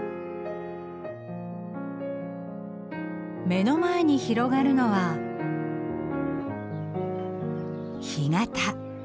目の前に広がるのは干潟。